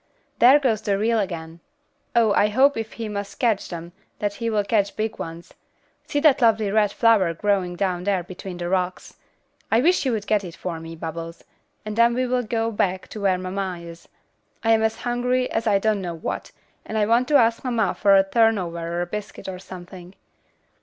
There goes the reel again. Oh, I hope if he must catch them, that he will catch big ones. See that lovely red flower growing down there between the rocks. I wish you would get it for me, Bubbles, and then we will go back to where mamma is. I am as hungry as I don't know what, and I want to ask mamma for a turnover or a biscuit or something.